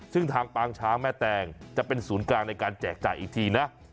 ซึ่งทางปางช้างแม่แตงจะเป็นศูนย์กลางในการแจกจ่ายอีกทีนะ